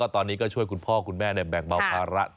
ตอนนี้ก็ช่วยคุณพ่อคุณแม่แบ่งเบาภาระ